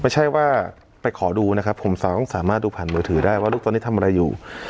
ไม่ใช่ว่าไปขอดูนะครับผมสามารถดูผ่านมือถือได้ว่าลูกตอนนี้ทำอะไรอยู่